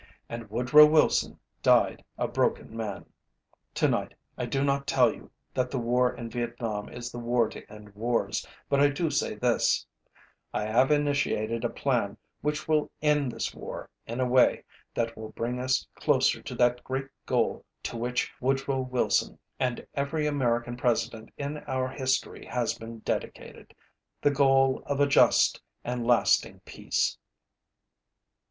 And Woodrow Wilson died a broken man. Tonight, I do not tell you that the war in Vietnam is the war to end wars, but I do say this: I have initiated a plan which will end this war in a way that will bring us closer to that great goal to which to which Woodrow Wilson and every American President in our history has been dedicated the goal of a just and lasting peace.